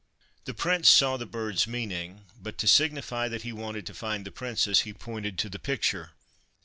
The Prince saw the bird's meaning, but, to signify that he wanted to find the Princess, he pointed to the picture.